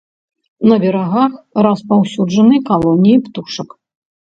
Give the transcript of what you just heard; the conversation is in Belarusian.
На берагах распаўсюджаны калоніі птушак.